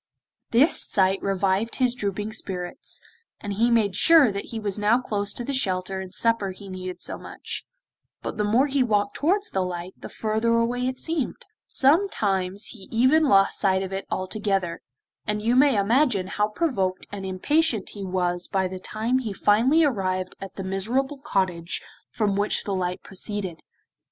This sight revived his drooping spirits, and he made sure that he was now close to the shelter and supper he needed so much, but the more he walked towards the light the further away it seemed; sometimes he even lost sight of it altogether, and you may imagine how provoked and impatient he was by the time he finally arrived at the miserable cottage from which the light proceeded.